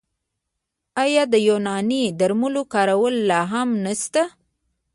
آیا د یوناني درملو کارول لا هم نشته؟